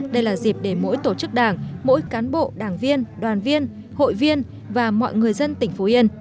đây là dịp để mỗi tổ chức đảng mỗi cán bộ đảng viên đoàn viên hội viên và mọi người dân tỉnh phú yên